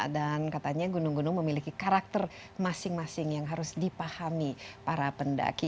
dan katanya gunung gunung memiliki karakter masing masing yang harus dipahami para pendaki